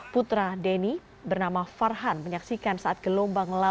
putra denny bernama farhan menyaksikan saat gelombang